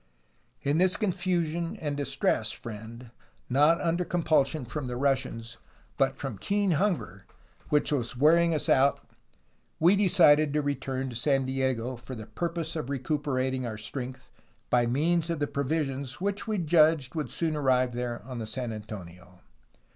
"In this confusion and distress, friend, not under compulsion from the Russians, but from keen hunger, which was wearing us out, we decided to return to San Diego, for the purpose of recuper ating our strength by means of the provisions which we judged would soon arrive there on the San Antonio.